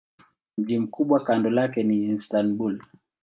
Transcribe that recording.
Mji mkubwa kando lake ni Istanbul.